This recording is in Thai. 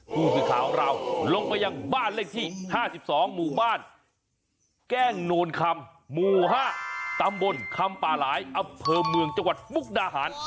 ผู้สื่อข่าวของเราลงไปยังบ้านเลขที่๕๒หมู่บ้านแก้งโนนคำหมู่๕ตำบลคำป่าหลายอำเภอเมืองจังหวัดมุกดาหาร